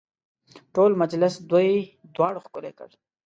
ټول مجلس دوی دواړو ښکلی کړ.